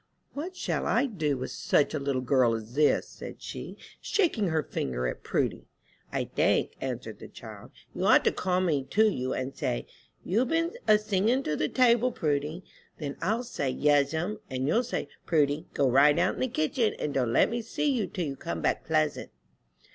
"What shall I do with such a little girl as this?" said she, shaking her finger at Prudy. "I think," answered the child, "you ought to call me to you and say, 'You been a singin' to the table, Prudy.' Then I'll say 'Yes'm;' and you'll say, 'Prudy, go right out in the kitchen, and don't let me see you till you come back pleasant.'"